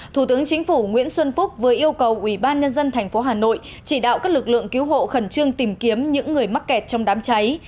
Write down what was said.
thủ tướng chính phủ nguyễn xuân phúc vừa yêu cầu ubnd tp hà nội chỉ đạo các lực lượng cứu hộ khẩn trương tìm kiếm những người mắc kẹt trong đám cháy